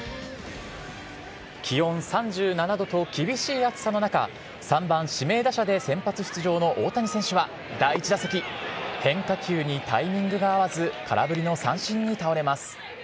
気温３７度と厳しい暑さの中３番・指名打者で先発出場の大谷選手は第１打席変化球にタイミングが合わず空振りの三振に倒れます。